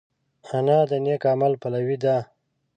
انا د نېک عمل پلوي ده